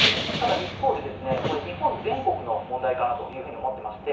一方、日本全国の問題かと思います。